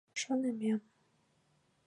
Шонымем